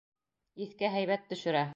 Иҫкә һәйбәт төшөрә.